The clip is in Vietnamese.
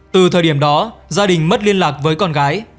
từ thời điểm đó gia đình mất liên lạc với con gái